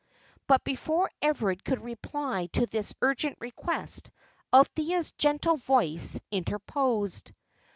But before Everard could reply to this urgent request, Althea's gentle voice interposed.